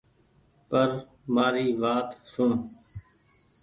پر مآري وآت سوڻ